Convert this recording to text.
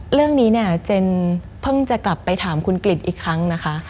เรื่องนี้เนี่ยเจนเพิ่งจะกลับไปถามคุณกริจอีกครั้งนะคะ